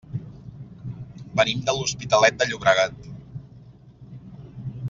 Venim de l'Hospitalet de Llobregat.